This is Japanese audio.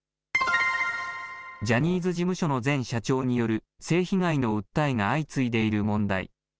ジャニーズ事務所の前社長による性被害の訴えが相次いでいる問題。